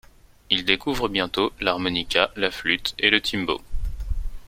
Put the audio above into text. Il découvre bientôt l'harmonica, la flûte et le timbo.